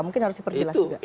mungkin harus diperjelas juga